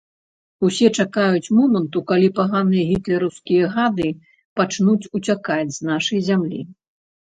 Усе чакаюць моманту, калі паганыя гітлераўскія гады пачнуць уцякаць з нашай зямлі.